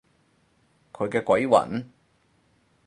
佢嘅鬼魂？